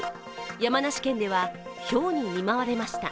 山梨県ではひょうに見舞われました。